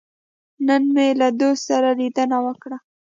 نن مې له دوست سره لیدنه وکړه.